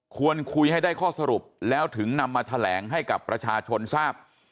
ควรคุยให้ได้ข้อสรุปแล้วถึงนำมาแถลงให้กับประชาชนทราบ